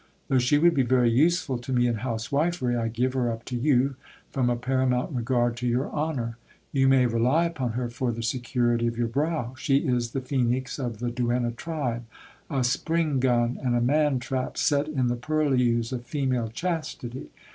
Though she would be very useful to me in housewifery, I give her up to you, from a paramount regard to your honour. You may rely upon her for the security of your brow ; she is the phoenix of the duenna tribe — a spring gun and a man trap set in the purlieus of female chastity.